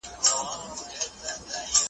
د یوې لويی غونډي ,